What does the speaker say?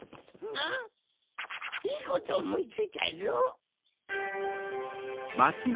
ん⁉いいことおもいついたぞ！